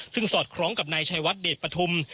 ซึ่งสอดคล้องกับนายชัยวัดเดชปฐุม